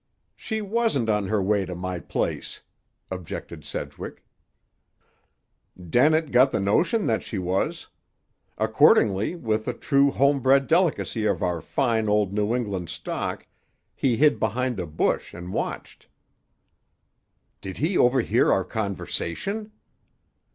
"She wasn't on her way to my place," objected Sedgwick. "Dennett got the notion that she was. Accordingly, with the true home bred delicacy of our fine old New England stock, he hid behind a bush and watched." "Did he overhear our conversation?"